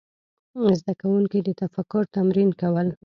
زده کوونکي د تفکر تمرین کول.